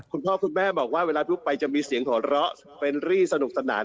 คุณพ่อคุณแม่บอกว่าเวลาลุกไปจะมีเสียงหัวเราะเฟรนรี่สนุกสนาน